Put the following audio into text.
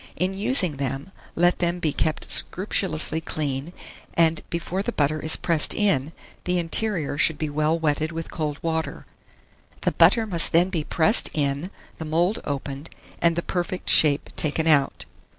In using them, let them be kept scrupulously clean, and before the butter is pressed in, the interior should be well wetted with cold water; the butter must then be pressed in, the mould opened, and the perfect shape taken out.